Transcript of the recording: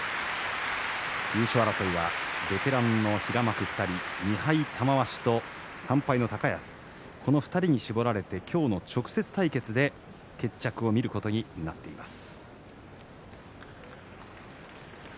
優勝争いはベテランの平幕２人２敗の玉鷲、３敗の高安この２人に絞られて今日の直接対決で決着を見ることになっています。